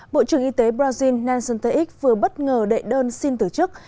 bộ trưởng y tế brazil nelson teix vừa bất ngờ đệ đơn xin tử chức